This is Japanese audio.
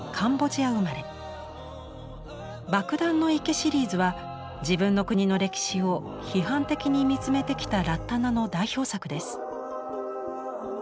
「爆弾の池」シリーズは自分の国の歴史を批判的に見つめてきたラッタナの代表作です。